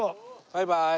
バイバーイ。